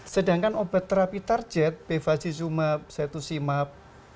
sedangkan obat terapi target bevazizumab cetusimab